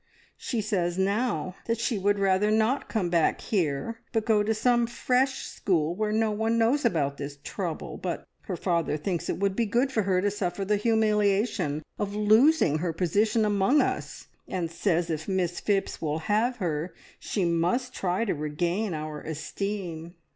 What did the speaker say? She says now that she would rather not come back here, but go to some fresh school where no one knows about this trouble; but her father thinks it would be good for her to suffer the humiliation of losing her position among us, and says if Miss Phipps will have her, she must try to regain our esteem.